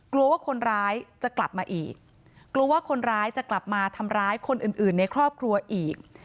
กลัวว่าคนร้ายจะกลับมาอีกกลัวว่าคนร้ายจะกลับมาทำร้ายคนอื่นอื่นในครอบครัวอีก